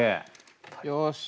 よし！